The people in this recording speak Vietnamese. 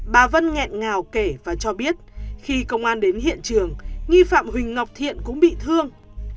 bà vân nghẹn ngào kể và cho biết khi công an đến hiện trường nghi phạm huỳnh ngọc thiện cũng bị thương